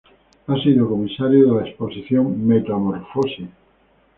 Ha sido comisaria de las exposiciones "Metamorfosis.